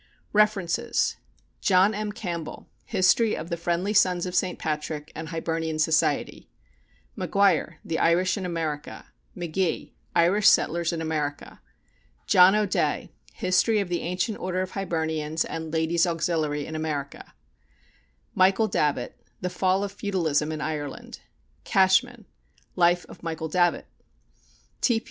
REFERENCES: John M. Campbell: History of the Friendly Sons of St. Patrick and Hibernian Society; Maguire: The Irish in America; McGee: Irish Settlers in America; John O'Dea: History of the Ancient Order of Hibernians and Ladies' Auxiliary in America; Michael Davitt: The Fall of Feudalism in Ireland; Cashman: Life of Michael Davitt; T.P.